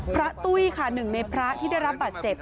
ตุ้ยค่ะหนึ่งในพระที่ได้รับบาดเจ็บ